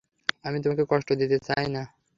আমি তোমাকে কষ্ট দিতে চাই না।